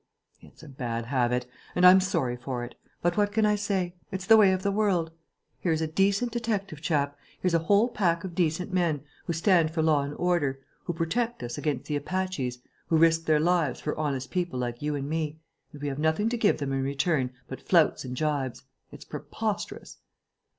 "It's a bad habit; and I'm sorry for it. But what can I say? It's the way of the world. Here's a decent detective chap, here's a whole pack of decent men, who stand for law and order, who protect us against the apaches, who risk their lives for honest people like you and me; and we have nothing to give them in return but flouts and gibes. It's preposterous!"